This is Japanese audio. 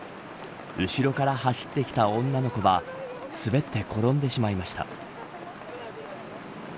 後ろから走ってきた女の子は滑って転んでしまいました。